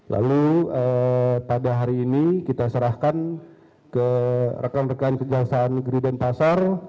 lalu pada hari ini kita serahkan ke rekan rekan kejaksaan negeri denpasar